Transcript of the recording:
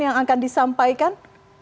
yang akan disampaikan